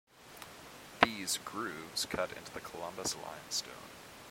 These grooves cut into the Columbus Limestone.